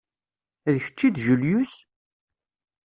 D kečč i d Julius?